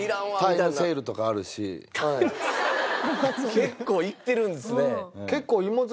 結構行ってるんですね。